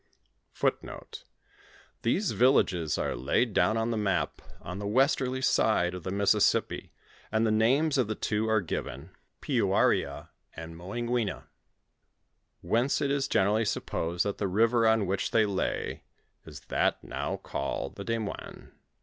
^* These Tillogeti are laid down on the map on the westerly side of the Missia ■ippi, and the names of two are given, Peouarea and Moingwena, whence it is generally supposed that the river on which they lay, is that now called the Des moiues.